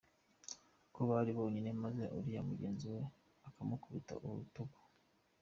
ko bari bonyine maze uriya mugenzi we akamukubita urutugu”.